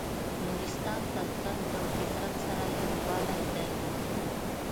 نورستان ته تلل د فطرت سره یووالی دی.